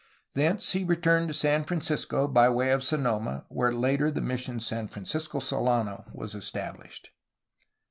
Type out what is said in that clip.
Thence he returned to San Francisco by way of Sonoma, where later the mission San Francisco Solano was estabhshed.